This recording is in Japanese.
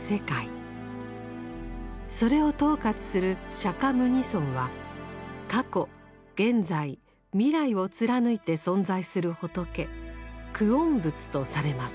それを統括する釈牟尼尊は過去現在未来を貫いて存在する仏「久遠仏」とされます。